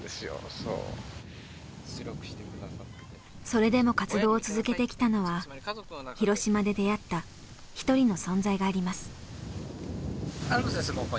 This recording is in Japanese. それでも活動を続けてきたのは広島で出会った一人の存在があります。